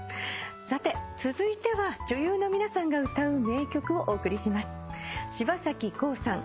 さて続いては女優の皆さんが歌う名曲をお送りします。